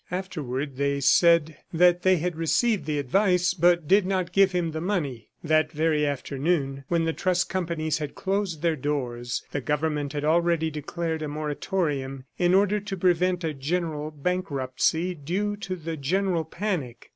Afterward they said that they had received the advice, but did not give him the money. That very afternoon, when the trust companies had closed their doors, the government had already declared a moratorium, in order to prevent a general bankruptcy due to the general panic.